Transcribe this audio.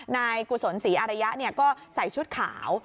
นายกุศนศรีอาริยะเนี่ยก็ใส่ชุดขาว